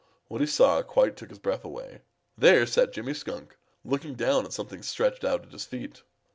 What he saw quite took his breath away. There sat Jimmy Skunk looking down at something stretched out at his feet.